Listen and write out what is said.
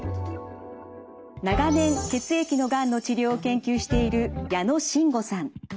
長年血液のがんの治療を研究している矢野真吾さん。